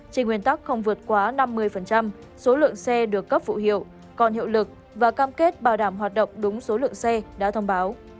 trên nguyên tắc không vượt quá năm mươi số lượng xe được cấp phụ hiệu còn hiệu lực và cam kết bảo đảm hoạt động đúng số lượng xe đã thông báo